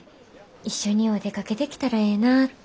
一緒にお出かけできたらええなって。